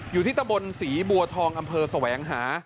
อยู่ที่ตะบนศรีบัวทองอำเภอแสวงหา